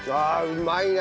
うまいな！